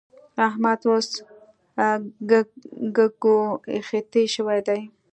احمد اوس ګږوېښتی شوی دی.